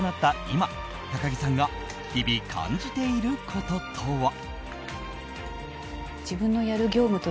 今高樹さんが日々感じていることとは。